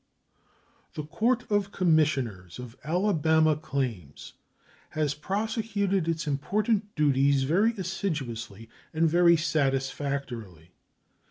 The Court of Commissioners of Alabama Claims has prosecuted its important duties very assiduously and very satisfactorily.